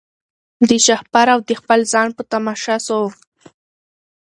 د شهپر او د خپل ځان په تماشا سو